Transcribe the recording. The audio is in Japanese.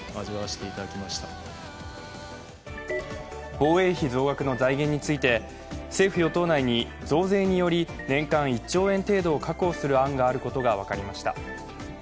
防衛費増額の財源について政府・与党内に年間１兆円程度を確保する案があることが分かりました。